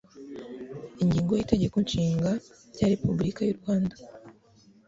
ingingo y'itegeko nshinga rya republika y'u rwanda